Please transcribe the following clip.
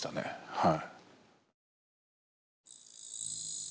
はい。